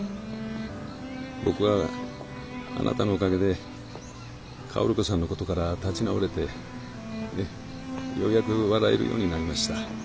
僕はあなたのおかげで薫子さんのことから立ち直れてようやく笑えるようになりました。